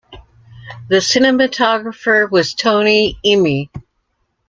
The cinematographer was Tony Imi.